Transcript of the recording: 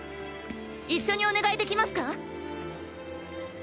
一緒にお願いできますか。